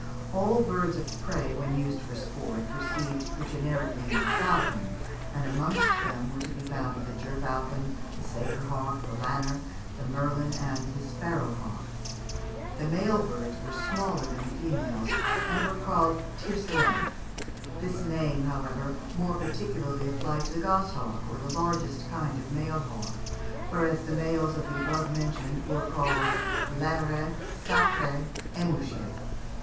All birds of prey, when used for sport, received the generic name of falcon; and amongst them were to be found the gerfalcon, the saker hawk, the lanner, the merlin, and the sparrow hawk. The male birds were smaller than the females, and were called tiercelet this name, however, more particularly applied to the gosshawk or the largest kind of male hawk, whereas the males of the above mentioned were called _laneret, sacret, émouchet.